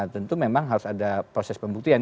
tentu memang harus ada proses pembuktian